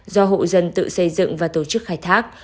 do hộ dân tự xây dựng và tổ chức khai thác